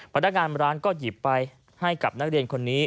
พนักงานร้านก็หยิบไปให้กับนักเรียนคนนี้